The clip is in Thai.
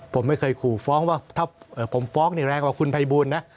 ผมไม่เคยขู่ฟ้องว่าถ้าผมฟ้องนี่แรงกว่าคุณภัยบูลนะ